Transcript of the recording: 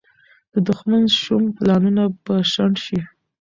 د دښمن شوم پلانونه به شنډ شي.